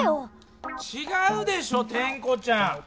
ちがうでしょテンコちゃん！